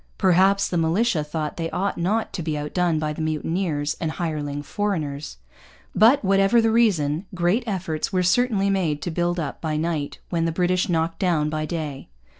Perhaps the militia thought they ought not to be outdone by mutineers and hireling foreigners. But, whatever the reason, great efforts were certainly made to build up by night what the British knocked down by day.